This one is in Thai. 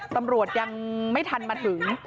ตำรวจยังไม่ทันมาถึง